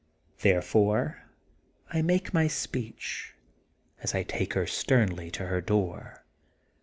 Therefore I make my speech, as I take her sternly to her door.